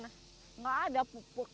nggak ada pupuk